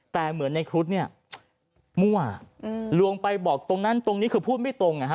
แต่เหมือนในครุฑเนี่ยมั่วลวงไปบอกตรงนั้นตรงนี้คือพูดไม่ตรง